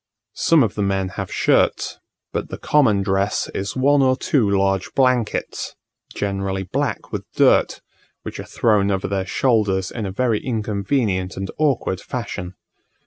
Some of the men have shirts; but the common dress is one or two large blankets, generally black with dirt, which are thrown over their shoulders in a very inconvenient and awkward fashion.